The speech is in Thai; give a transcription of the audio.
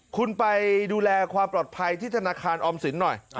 คุณไปดูแลความปลอดภัยที่ธนาคารออมสินหน่อย